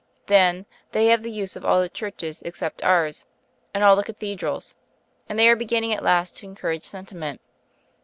Then, they have the use of all the churches except ours, and all the Cathedrals; and they are beginning at last to encourage sentiment.